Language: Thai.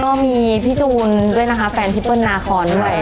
ก็มีพี่จูนด้วยนะคะแฟนพี่เปิ้ลนาคอนด้วย